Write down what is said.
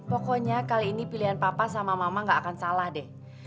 pokoknya kali ini pilihan papa sama mama gak akan salah deh